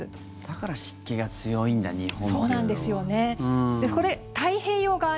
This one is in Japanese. だから湿気が強いんだ日本というのは。